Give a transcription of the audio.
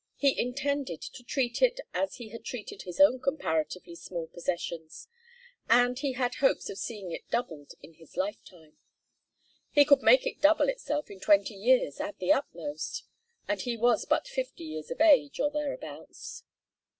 He intended to treat it as he had treated his own comparatively small possessions, and he had hopes of seeing it doubled in his lifetime. He could make it double itself in twenty years at the utmost, and he was but fifty years of age, or thereabouts.